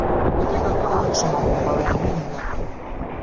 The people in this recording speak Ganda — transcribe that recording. Entekateka y'okusoma mu mpalo mbi nnyo .